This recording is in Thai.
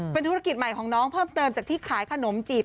เป็นธุรกิจใหม่ของน้องเพิ่มเติมจากที่ขายขนมจีบ